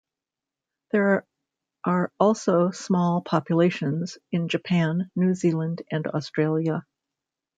There are also small populations in Japan, New Zealand, and Australia.